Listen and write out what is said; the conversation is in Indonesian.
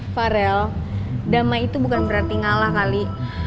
pak rel damai itu bukan berarti ngalah kali